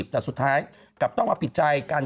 แต่สุดท้ายกลับต้องมาผิดใจกัน